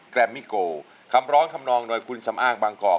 เพลงนี้อยู่ในอาราบัมชุดแรกของคุณแจ็คเลยนะครับ